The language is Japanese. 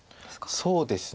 そうですね。